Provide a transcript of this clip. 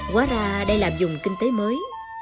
quá ra đây là vùng kinh tế mới